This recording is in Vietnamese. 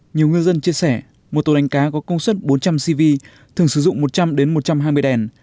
nhiều ngư dân chia sẻ một tàu đánh cá có công suất bốn trăm linh cv thường sử dụng một trăm linh một trăm hai mươi đèn